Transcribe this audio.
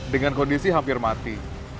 dengan kondisi hampir mati